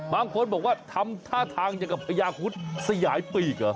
บางคนบอกว่าทำท่าทางอย่างกับพญาคุดสยายปีกเหรอ